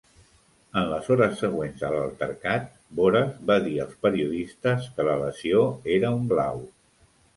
En les hores següents a la altercat Boras va dir als periodistes que la lesió era un blau.